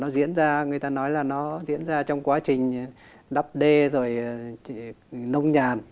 nó diễn ra người ta nói là nó diễn ra trong quá trình đắp đê rồi nông nhàn